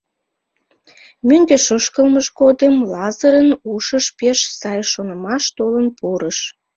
Мӧҥгеш ошкылмыж годым Лазырын ушыш пеш сай шонымаш толын пурыш.